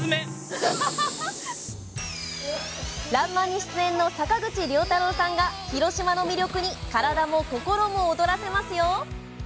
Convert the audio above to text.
「らんまん」に出演の坂口涼太郎さんが広島の魅力に体も心も躍らせますよ。